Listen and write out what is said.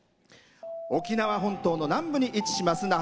沖縄本島の南部に位置します